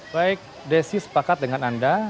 baik desi sepakat dengan anda